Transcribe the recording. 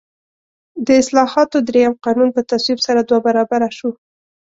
د اصلاحاتو درېیم قانون په تصویب سره دوه برابره شو.